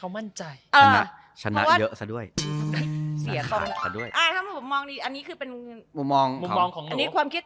เอาเคนให้อยู่อ่ะเออเคนเออแต่ว่าตอนตอนเนี้ย